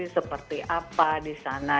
seperti apa di sana